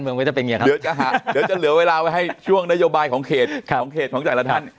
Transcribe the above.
เมืองก็จะเป็นอย่างเงี้ยครับเดี๋ยวจะเหลือเวลาให้ช่วงนโยบายของเขตของจักรทัน